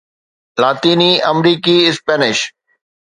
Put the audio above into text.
لاطيني آمريڪي اسپينش